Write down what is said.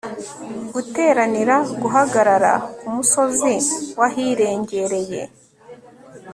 guteranira guhagarara kumusozi wahirengereye